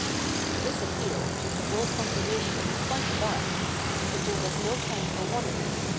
This appeal took the whole congregation quite aback. But there was no time for wonder.